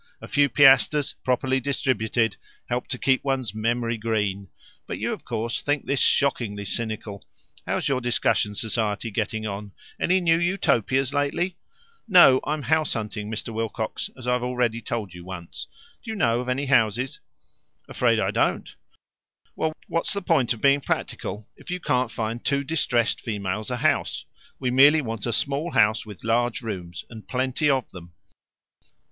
A few piastres, properly distributed, help to keep one's memory green. But you, of course, think this shockingly cynical. How's your discussion society getting on? Any new Utopias lately?" "No, I'm house hunting, Mr. Wilcox, as I've already told you once. Do you know of any houses?" "Afraid I don't." "Well, what's the point of being practical if you can't find two distressed females a house? We merely want a small house with large rooms, and plenty of them."